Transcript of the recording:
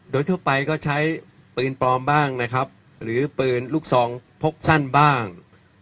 โดยทั่วไปก็ใช้ปืนปลอมบ้างนะครับหรือปืนลูกซองพกสั้นบ้าง